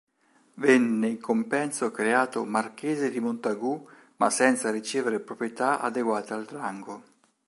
Venne in compenso creato Marchese di Montagu ma senza ricevere proprietà adeguate al rango.